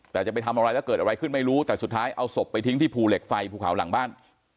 แต่จะไปทำอะไรแล้วเกิดอะไรขึ้นไม่รู้แต่สุดท้ายเอาศพไปทิ้งที่ภูเหล็กไฟภูเขาหลังบ้าน